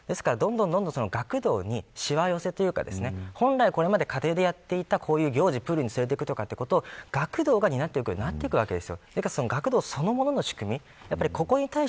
どんどん学童にしわ寄せというか本来これまで、家庭でやっていたこういう行事、プールに連れて行くとかということを、学童が担っていくわけです。